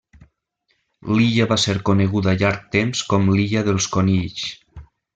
L'illa va ser coneguda llarg temps com l'Illa de Conills.